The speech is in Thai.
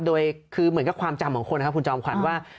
โดยคือเหมือนกับความจำของคนนะครับคุณจอมขวัญว่า